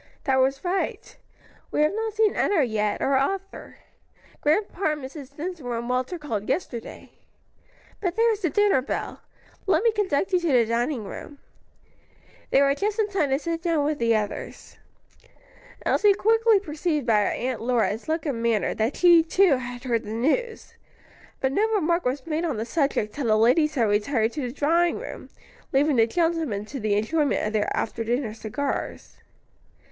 "That was right. We have not seen Enna yet, or Arthur. Grandpa and Mrs. Dinsmore and Walter called yesterday. But there is the dinner bell. Let me conduct you to the dining room." They were just in time to sit down with the others. Elsie quickly perceived by her Aunt Lora's look and manner, that she, too, had heard the news, but no remark was make on the subject till the ladies had retired to the drawing room, leaving the gentlemen to the enjoyment of their after dinner cigars.